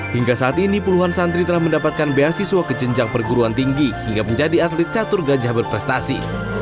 hingga saat ini puluhan santri telah mendapatkan beasiswa ke jenjang perguruan tinggi hingga menjadi atlet catur gajah berprestasi